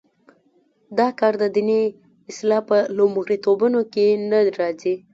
دا کار د دیني اصلاح په لومړیتوبونو کې نه راځي.